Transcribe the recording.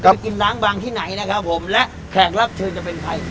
ไปกินล้างบางที่ไหนนะครับผมและแขกรับเชิญจะเป็นใคร